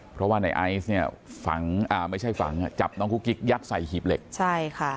เพราะว่าในไอศ์จับน้องกุ๊กกิ๊กยัดใส่หีบเหล็ก